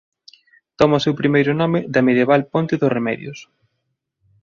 Toma o seu primeiro nome da medieval ponte dos Remedios.